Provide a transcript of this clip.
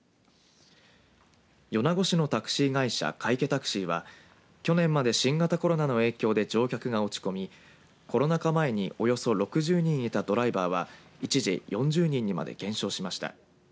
米子市のタクシー会社皆生タクシーは去年まで新型コロナの影響で乗客が落ち込みコロナ禍前におよそ６０人いたドライバーは一時４０人にまで減少しました。